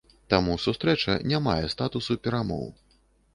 Таму сустрэча не мае статусу перамоў.